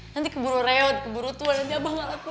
nanti keburu reot keburu tua nanti abah ngalahin aku lagi